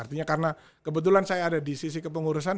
artinya karena kebetulan saya ada di sisi kepengurusan